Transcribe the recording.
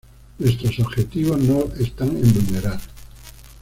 Nuestros objetivos no están en vulnerar